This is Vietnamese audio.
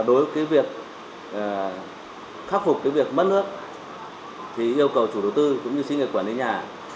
đối với việc khắc phục cái việc mất nước thì yêu cầu chủ đầu tư cũng như sinh nghiệp quản lý nhà